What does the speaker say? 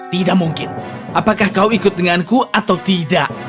tidak mungkin apakah kau ikut denganku atau tidak